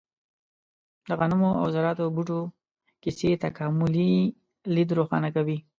د غنمو او ذراتو بوټو کیسې تکاملي لید روښانه کوي.